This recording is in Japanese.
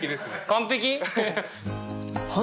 完璧？